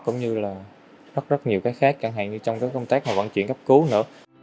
cũng như là rất rất nhiều cái khác chẳng hạn như trong cái công tác mà vận chuyển cấp cứu nữa